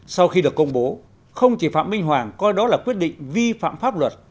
sau khi được công bố không chỉ phạm minh hoàng coi đó là quyết định vi phạm pháp luật